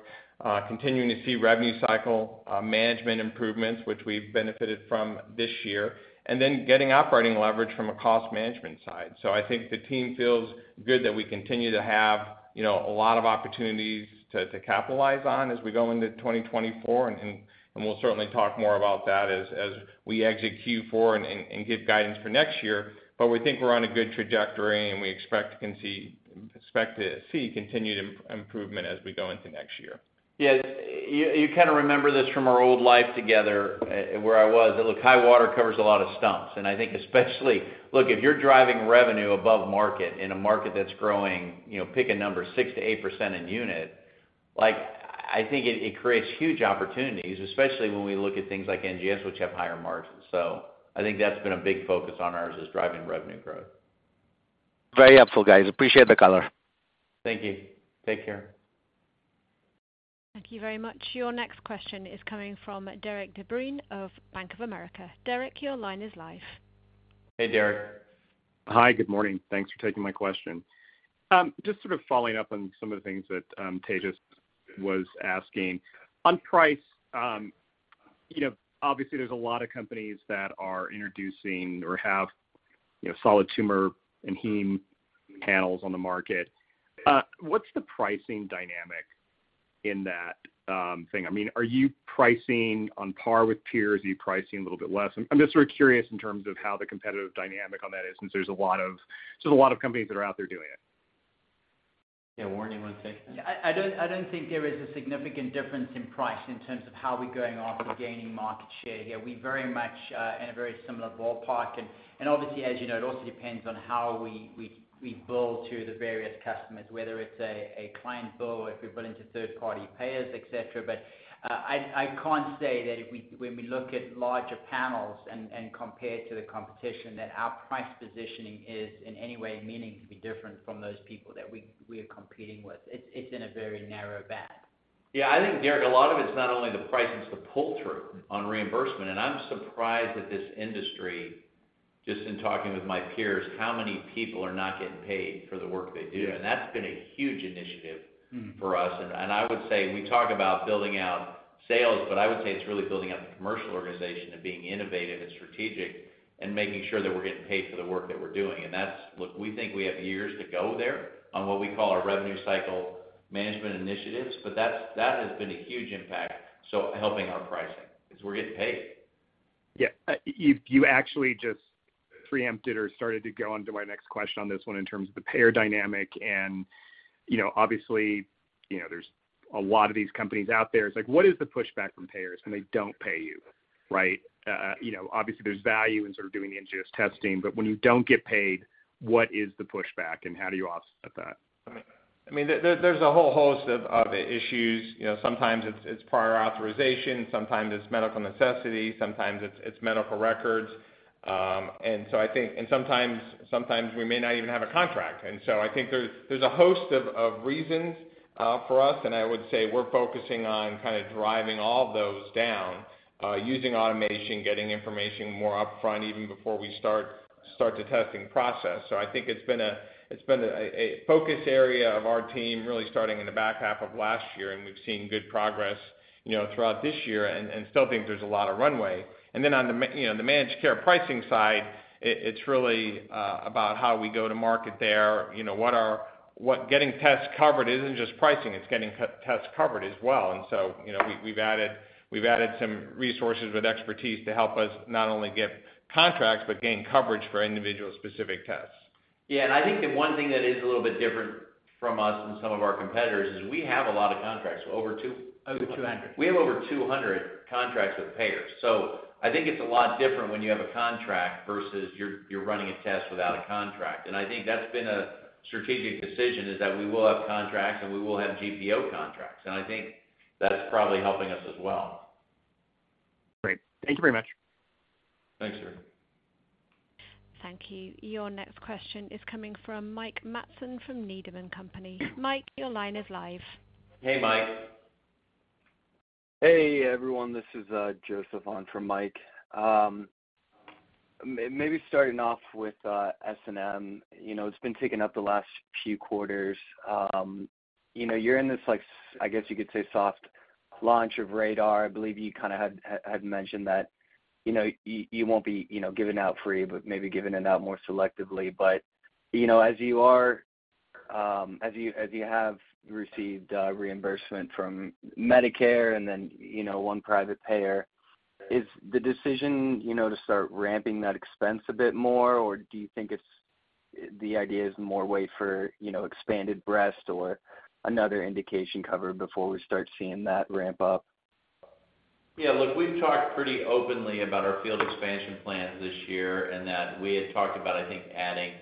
continuing to see revenue cycle management improvements, which we've benefited from this year, and then getting operating leverage from a cost management side. I think the team feels good that we continue to have, you know, a lot of opportunities to, to capitalize on as we go into 2024, and, and, and we'll certainly talk more about that as, as we exit Q4 and, and, and give guidance for next year. We think we're on a good trajectory, and we expect to continue to see expect to see continued improvement as we go into next year. Yes, you kinda remember this from our old life together, where I was. Look, high water covers a lot of stumps. I think especially, look, if you're driving revenue above market in a market that's growing, you know, pick a number, 6 to 8% in unit, like, I think it creates huge opportunities, especially when we look at things like NGS, which have higher margins. I think that's been a big focus on ours, is driving revenue growth. Very helpful, guys. Appreciate the color. Thank you. Take care. Thank you very much. Your next question is coming from Derik De Bruin of Bank of America. Derek, your line is live. Hey, Derek. Hey, good morning. Thanks for taking my question. Just sort of following up on some of the things that Tejas was asking. On price, you know, obviously there's a lot of companies that are introducing or have, you know, solid tumor and heme panels on the market. What's the pricing dynamic in that thing? I mean, are you pricing on par with peers? Are you pricing a little bit less? I'm just sort of curious in terms of how the competitive dynamic on that is, since there's a lot of, there's a lot of companies that are out there doing it. Yeah, Warren, you want to take that? I don't think there is a significant difference in price in terms of how we're going after gaining market share here. We very much in a very similar ballpark. Obviously, as you know, it also depends on how we bill to the various customers, whether it's a, a client bill, or if we bill into third-party payers, et cetera. I can't say that when we look at larger panels and compare to the competition, that our price positioning is in any way meaning to be different from those people that we are competing with. It's in a very narrow band. Yeah, I think, Derek, a lot of it's not only the price, it's the pull-through on reimbursement. I'm surprised that this industry, just in talking with my peers, how many people are not getting paid for the work they do. Yeah. That's been a huge initiative. Mm-hmm. -for us. I would say we talk about building out sales, but I would say it's really building out the commercial organization and being innovative and strategic, and making sure that we're getting paid for the work that we're doing. That's. Look, we think we have years to go there on what we call our revenue cycle management initiatives, but that's, that has been a huge impact. Helping our pricing, is we're getting paid. Yeah. You, you actually just preempted or started to go onto my next question on this one in terms of the payer dynamic. You know, obviously, you know, there's a lot of these companies out there. It's like, what is the pushback from payers when they don't pay you, right? You know, obviously, there's value in sort of doing the NGS testing, but when you don't get paid, what is the pushback and how do you offset that? I mean, there, there's a whole host of, of issues. You know, sometimes it's, it's prior authorization, sometimes it's medical necessity, sometimes it's, it's medical records, and sometimes, sometimes we may not even have a contract. I think there's, there's a host of, of reasons for us, and I would say we're focusing on kind of driving all those down, using automation, getting information more upfront, even before we start, start the testing process. I think it's been a, it's been a, a focus area of our team, really starting in the back half of last year, and we've seen good progress, you know, throughout this year and, and still think there's a lot of runway. On the you know, the managed care pricing side, it, it's really about how we go to market there. You know, getting tests covered isn't just pricing, it's getting tests covered as well. So, you know, we've, we've added, we've added some resources with expertise to help us not only get contracts, but gain coverage for individual specific tests. Yeah, I think the one thing that is a little bit different from us and some of our competitors, is we have a lot of contracts, over two-. Over 200. We have over 200 contracts with payers. I think it's a lot different when you have a contract versus you're running a test without a contract. I think that's been a strategic decision, is that we will have contracts and we will have GPO contracts. I think that is probably helping us as well. Great. Thank you very much. Thanks, Derek. Thank you. Your next question is coming from Mike Matson from Needham & Company. Mike, your line is live. Hey, Mike. Hey, everyone. This is Joseph on for Mike. Maybe starting off with S&M. You know, it's been ticking up the last few quarters. You know, you're in this, like, I guess you could say, soft launch of RaDaR. I believe you kind of had mentioned that, you know, you, you won't be, you know, giving out free, but maybe giving it out more selectively. You know, as you are, as you, as you have received reimbursement from Medicare and then, you know, one private payer, is the decision, you know, to start ramping that expense a bit more, or do you think it's, the idea is more wait for, you know, expanded breast or another indication covered before we start seeing that ramp up? Yeah, look, we've talked pretty openly about our field expansion plans this year, and that we had talked about, I think, adding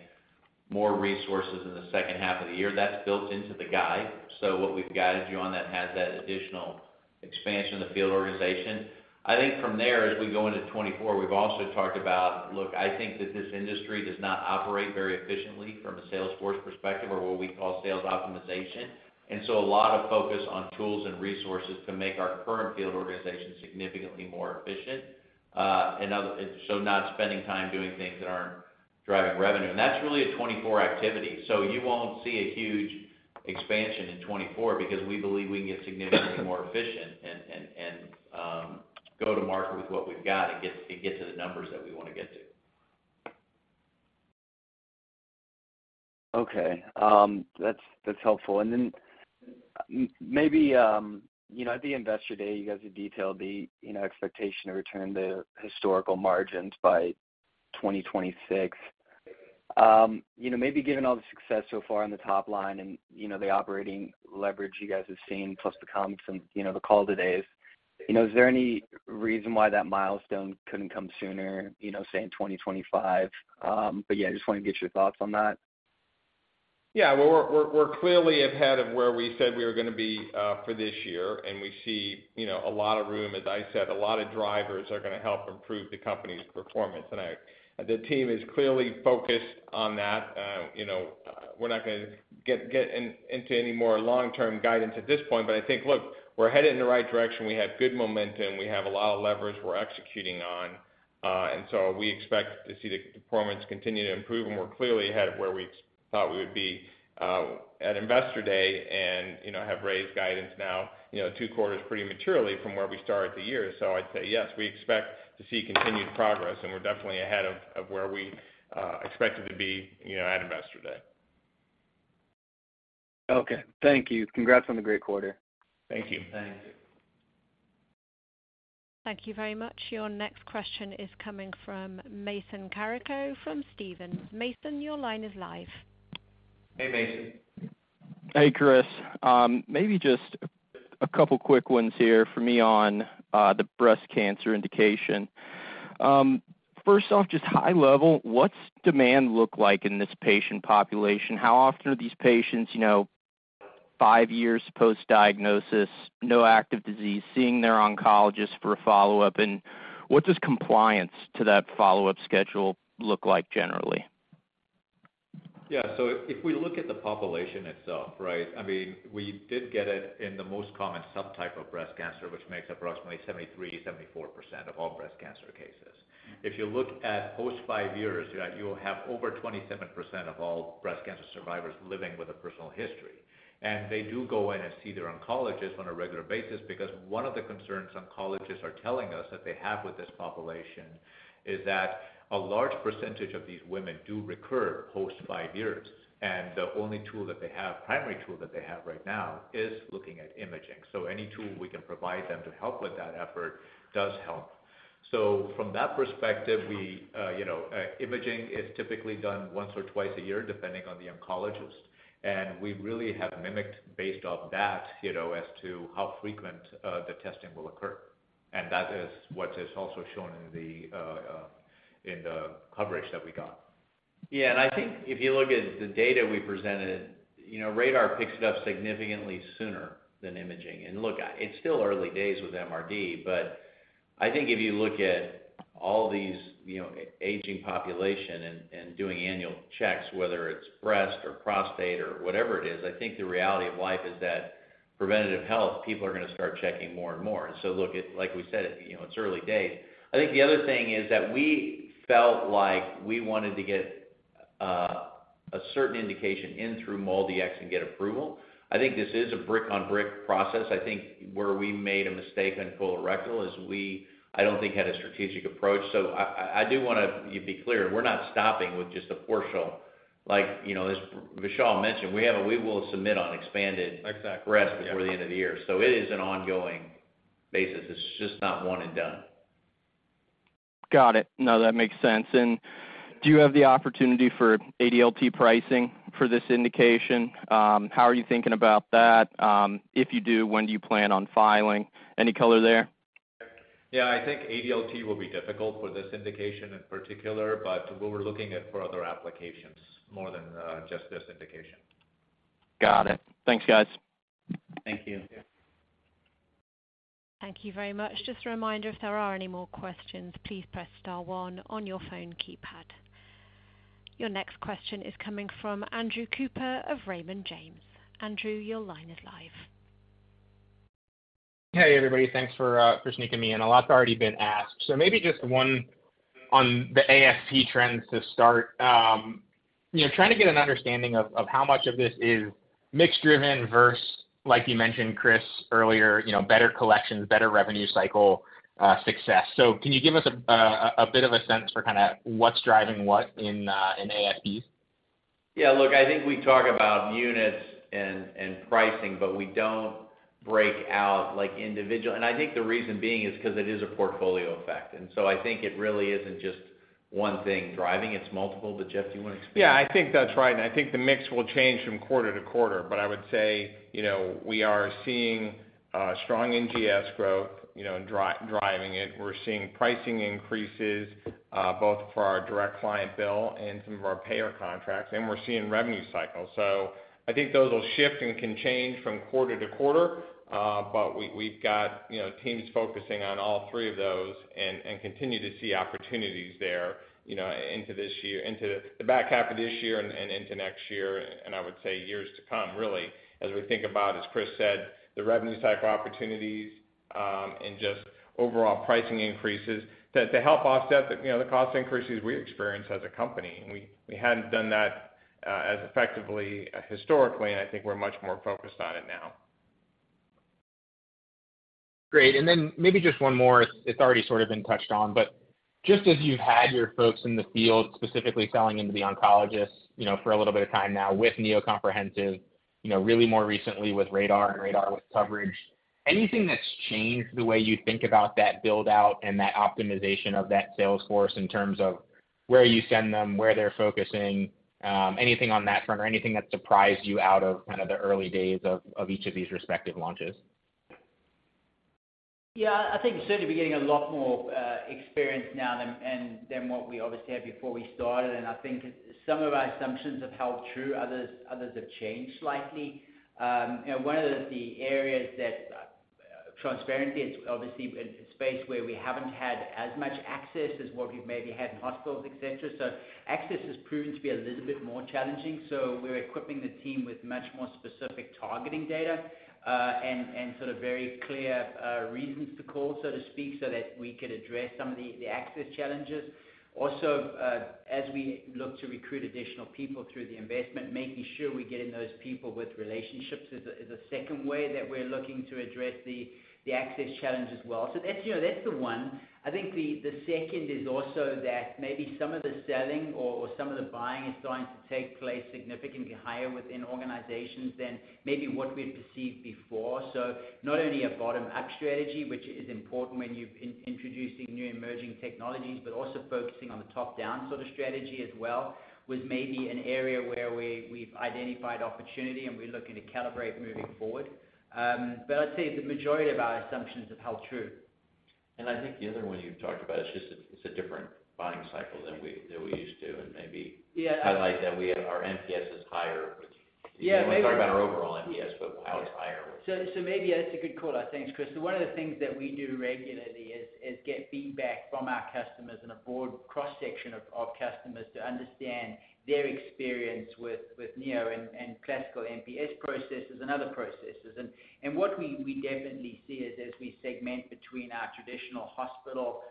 more resources in the second half of the year. That's built into the guide. What we've guided you on that has that additional expansion in the field organization. I think from there, as we go into 2024, we've also talked about, look, I think that this industry does not operate very efficiently from a sales force perspective or what we call sales optimization. A lot of focus on tools and resources to make our current field organization significantly more efficient, so not spending time doing things that aren't driving revenue. That's really a 2024 activity. You won't see a huge expansion in 2024 because we believe we can get significantly more efficient and, and, and, go to market with what we've got and get, and get to the numbers that we want to get to. Okay, that's, that's helpful. Then, maybe, you know, at the Investor Day, you guys have detailed the, you know, expectation to return the historical margins by 2026. You know, maybe given all the success so far on the top line and, you know, the operating leverage you guys have seen, plus the comments and, you know, the call today, you know, is there any reason why that milestone couldn't come sooner, you know, say, in 2025? Yeah, I just want to get your thoughts on that. Yeah, well, we're, we're, we're clearly ahead of where we said we were gonna be for this year, we see, you know, a lot of room. As I said, a lot of drivers are gonna help improve the company's performance. The team is clearly focused on that. You know, we're not gonna get, get in, into any more long-term guidance at this point, I think, look, we're headed in the right direction. We have good momentum. We have a lot of leverage we're executing on. We expect to see the performance continue to improve, we're clearly ahead of where we thought we would be at Investor Day and, you know, have raised guidance now, you know, two quarters prematurely from where we started the year. I'd say, yes, we expect to see continued progress, and we're definitely ahead of, of where we expected to be, you know, at Investor Day. Okay, thank you. Congrats on the great quarter. Thank you. Thank you. Thank you very much. Your next question is coming from Mason Carrico, from Stephens. Mason, your line is live. Hey, Mason. Hey, Chris. maybe just a couple quick ones here for me on the breast cancer indication. First off, just high level, what's demand look like in this patient population? How often are these patients, you know, 5 years post-diagnosis, no active disease, seeing their oncologist for a follow-up? What does compliance to that follow-up schedule look like generally? Yeah. If, if we look at the population itself, right? I mean, we did get it in the most common subtype of breast cancer, which makes approximately 73 to 74% of all breast cancer cases. If you look at post five years, you, you'll have over 27% of all breast cancer survivors living with a personal history. They do go in and see their oncologist on a regular basis, because one of the concerns oncologists are telling us that they have with this population is that a large percentage of these women do recur post five years, and the only tool that they have, primary tool that they have right now is looking at imaging. Any tool we can provide them to help with that effort does help. From that perspective, we, you know, imaging is typically done once or twice a year, depending on the oncologist, and we really have mimicked based off that, you know, as to how frequent the testing will occur. That is what is also shown in the coverage that we got. Yeah, I think if you look at the data we presented, you know, RaDaR picks it up significantly sooner than imaging. Look, it's still early days with MRD, but I think if you look at all these, you know, aging population and, and doing annual checks, whether it's breast or prostate or whatever it is, I think the reality of life is that preventative health, people are gonna start checking more and more. Look at like we said, you know, it's early days. I think the other thing is that we felt like we wanted to get a certain indication in through MolDX and get approval. I think this is a brick-on-brick process. I think where we made a mistake on colorectal is we, I don't think, had a strategic approach. I, I, I do wanna you be clear, we're not stopping with just a portion. Like, you know, as Vishal mentioned, we will submit on expanded... Exactly... breast before the end of the year. It is an ongoing basis. It's just not one and done. Got it. No, that makes sense. Do you have the opportunity for ADLT pricing for this indication? How are you thinking about that? If you do, when do you plan on filing? Any color there? Yeah, I think ADLT will be difficult for this indication in particular, but we're looking at for other applications more than just this indication. Got it. Thanks, guys. Thank you. Thank you very much. Just a reminder, if there are any more questions, please press star one on your phone keypad. Your next question is coming from Andrew Cooper of Raymond James. Andrew, your line is live. Hey, everybody. Thanks for for sneaking me in. A lot's already been asked. Maybe just one on the ASP trends to start. You know, trying to get an understanding of, of how much of this is mix driven versus, like you mentioned, Chris, earlier, you know, better collections, better revenue cycle, success. Can you give us a, a, a bit of a sense for kinda what's driving what in in ASP? Yeah, look, I think we talk about units and, and pricing, but we don't break out, like, individual. I think the reason being is because it is a portfolio effect, and so I think it really isn't just. ... one thing driving its multiple. Jeff, do you want to explain? Yeah, I think that's right. I think the mix will change from quarter-to-quarter. I would say, you know, we are seeing strong NGS growth, you know, driving it. We're seeing pricing increases, both for our direct client bill and some of our payer contracts, and we're seeing revenue cycles. I think those will shift and can change from quarter-to-quarter. We, we've got, you know, teams focusing on all three of those and continue to see opportunities there, you know, into the back half of this year and into next year. I would say years to come really, as we think about, as Chris said, the revenue cycle opportunities and just overall pricing increases, to help offset the, you know, the cost increases we experience as a company. We, we hadn't done that, as effectively, historically, and I think we're much more focused on it now. Great. Maybe just one more. It's, it's already sort of been touched on, but just as you've had your folks in the field, specifically selling into the oncologists, you know, for a little bit of time now with Neo Comprehensive, you know, really more recently with RaDaR and RaDaR with coverage. Anything that's changed the way you think about that build-out and that optimization of that sales force in terms of where you send them, where they're focusing, anything on that front or anything that surprised you out of kind of the early days of, of each of these respective launches? Yeah, I think we're certainly beginning a lot more experience now than what we obviously had before we started. I think some of our assumptions have held true, others have changed slightly. One of the areas that, transparently, it's obviously a space where we haven't had as much access as what we've maybe had in hospitals, et cetera. Access has proven to be a little bit more challenging, so we're equipping the team with much more specific targeting data and sort of very clear reasons to call, so to speak, so that we could address some of the access challenges. Also, as we look to recruit additional people through the investment, making sure we're getting those people with relationships is a second way that we're looking to address the access challenge as well. That's, you know, that's the one. I think the, the second is also that maybe some of the selling or, or some of the buying is going to take place significantly higher within organizations than maybe what we've perceived before. Not only a bottom-up strategy, which is important when you're introducing new emerging technologies, but also focusing on the top-down sort of strategy as well, was maybe an area where we, we've identified opportunity and we're looking to calibrate moving forward. I'd say the majority of our assumptions have held true. I think the other one you talked about, it's just, it's a different buying cycle than we, than we used to, and maybe... Yeah. Highlight that we had our NPS is higher, which- Yeah, maybe- We talk about our overall NPS, but how it's higher. So maybe that's a good call out. Thanks, Chris. One of the things that we do regularly is, is get feedback from our customers and a broad cross-section of, of customers to understand their experience with, with Neo and, and classical NPS processes and other processes. And what we, we definitely see is as we segment between our traditional hospital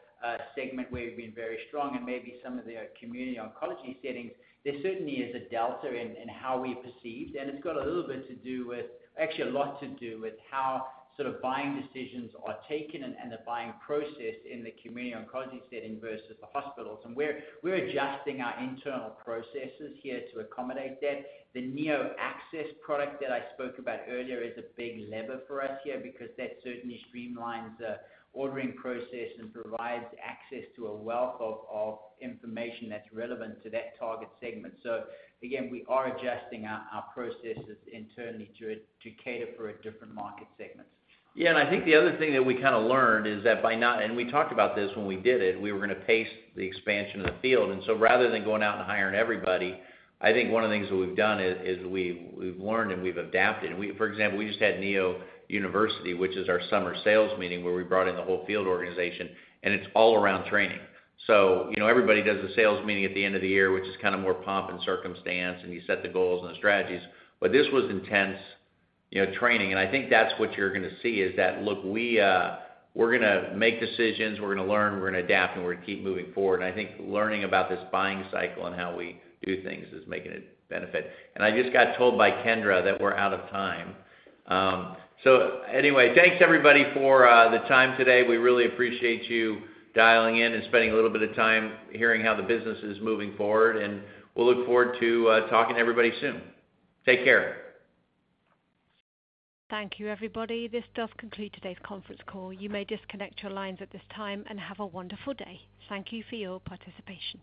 segment, where we've been very strong and maybe some of their community oncology settings, there certainly is a delta in, in how we're perceived. It's got a little bit to do with, actually, a lot to do with how sort of buying decisions are taken and, and the buying process in the community oncology setting versus the hospitals. We're, we're adjusting our internal processes here to accommodate that. The Neo Access product that I spoke about earlier is a big lever for us here because that certainly streamlines the ordering process and provides access to a wealth of information that's relevant to that target segment. Again, we are adjusting our processes internally to cater for a different market segments. Yeah, I think the other thing that we kinda learned is that by not... We talked about this when we did it, we were gonna pace the expansion of the field. Rather than going out and hiring everybody, I think one of the things that we've done is, we've learned and we've adapted. For example, we just had Neo University, which is our summer sales meeting, where we brought in the whole field organization, it's all around training. You know, everybody does a sales meeting at the end of the year, which is kinda more pomp and circumstance, and you set the goals and the strategies. This was intense, you know, training, and I think that's what you're gonna see, is that, look, we're gonna make decisions, we're gonna learn, we're gonna adapt, and we're gonna keep moving forward. I think learning about this buying cycle and how we do things is making a benefit. I just got told by Kendra that we're out of time. Anyway, thanks, everybody, for the time today. We really appreciate you dialing in and spending a little bit of time hearing how the business is moving forward, and we'll look forward to talking to everybody soon. Take care. Thank you, everybody. This does conclude today's conference call. You may disconnect your lines at this time and have a wonderful day. Thank you for your participation.